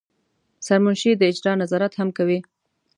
سرمنشي د اجرا نظارت هم کوي.